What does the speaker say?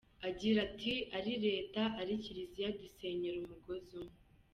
Agira ati “Ari Leta, ari Kiliziya, dusenyera umugozi umwe.